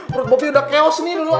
menurut bobby udah chaos nih duluan lah